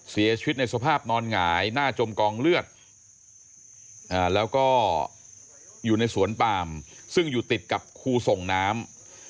เสียชีวิตในสภาพนอนหงายหน้าจมกองเลือดแล้วก็อยู่ในสวนปามซึ่งอยู่ติดกับครูส่งน้ำ